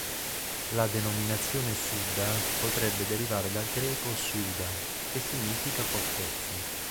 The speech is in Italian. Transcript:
La denominazione "Suda" potrebbe derivare dal greco "suda", che significa "fortezza".